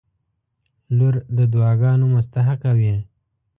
• لور د دعاګانو مستحقه وي.